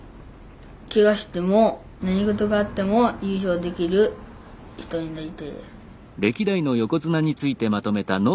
ケガしても何事があっても優勝できる人になりたいです。